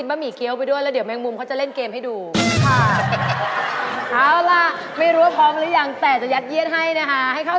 แปรได้ไหมคะแมงมุมแปรได้ไหมคะ